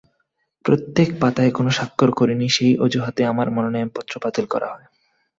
প্রত্যেক পাতায় কেনো স্বাক্ষর করিনি, সেই অজুহাতে আমার মনোনয়নপত্র বাতিল করা হয়।